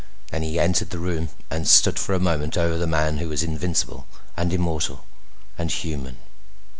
Then he entered the room and stood for a moment over the man who was invincible and immortal and human.